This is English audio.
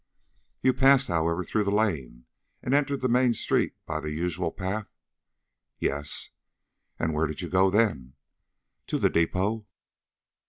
"You passed, however, through the lane, and entered the main street by the usual path?" "Yes." "And where did you go then?" "To the depot."